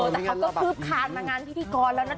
แต่เขาก็คืบคานมางานพิธีกรแล้วนะคะ